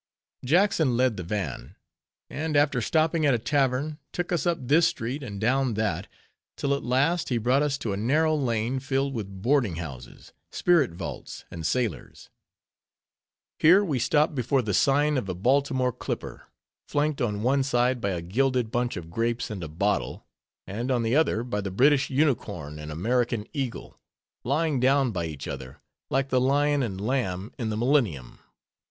Jackson led the van; and after stopping at a tavern, took us up this street, and down that, till at last he brought us to a narrow lane, filled with boarding houses, spirit vaults, and sailors. Here we stopped before the sign of a Baltimore Clipper, flanked on one side by a gilded bunch of grapes and a bottle, and on the other by the British Unicorn and American Eagle, lying down by each other, like the lion and lamb in the millennium.